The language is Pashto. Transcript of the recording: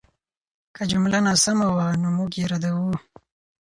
که جمله ناسمه وه، نو موږ یې ردوو.